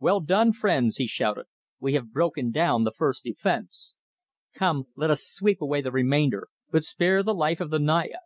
"Well done, friends," he shouted. "We have broken down the first defence. Come, let us sweep away the remainder, but spare the life of the Naya.